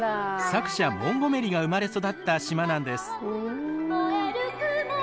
作者モンゴメリが生まれ育った島なんです。